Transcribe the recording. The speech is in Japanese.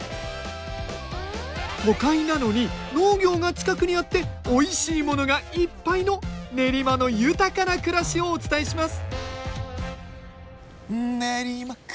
都会なのに農業が近くにあっておいしいものがいっぱいの練馬の豊かな暮らしをお伝えします